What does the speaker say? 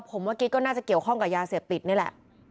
ผมว่ากิ๊กก็น่าจะเกี่ยวข้องกับยาเสพติดนี่แหละ